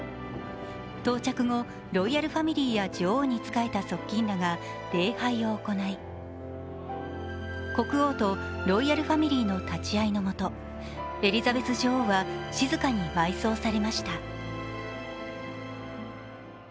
到着後、ロイヤルファミリーや女王に仕えた側近らが礼拝を行い国王とロイヤルファミリーの立ち合いのもと、エリザベス女王は静かに埋葬されました。